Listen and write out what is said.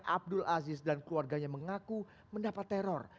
abdul aziz dan keluarganya mengaku mendapat teror